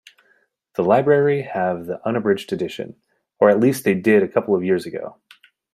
The library have the unabridged edition, or at least they did a couple of years ago.